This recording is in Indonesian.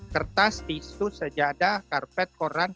kertas tisu sejadah karpet koran